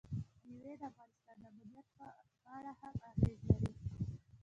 مېوې د افغانستان د امنیت په اړه هم اغېز لري.